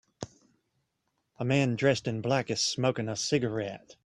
A man dressed in black is smoking a cigarette.